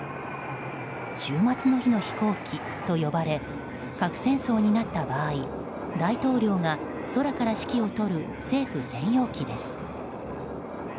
終末の日の飛行機と呼ばれ核戦争になった場合大統領が空から指揮を執る政府専用機です。